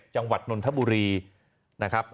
จังหวัดนนทบุรีนะครับ